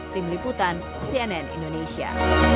tim liputan cnn indonesia